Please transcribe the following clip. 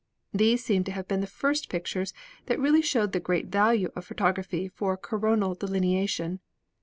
These seem to have been the first pictures that really showed the great value of photography for coronal delineation.